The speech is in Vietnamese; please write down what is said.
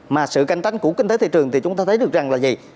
mà sự cạnh tranh của kinh tế thị trường thì chúng ta thấy được rằng là gì